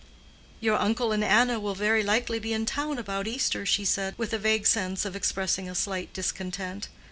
"Your uncle and Anna will very likely be in town about Easter," she said, with a vague sense of expressing a slight discontent.